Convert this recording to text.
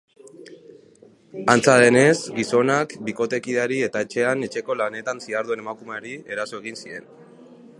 Antza denez, gizonak bikotekideari eta etxean etxeko-lanetan ziharduen emakumeari eraso egin zien.